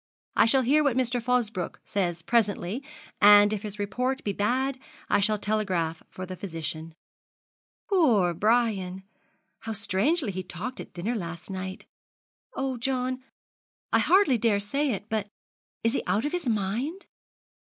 I shall hear what Mr. Fosbroke says presently, and if his report be bad, I shall telegraph for the physician.' 'Poor Brian! How strangely he talked at dinner last night! Oh, John, I hardly dare say it but is he out of his mind?'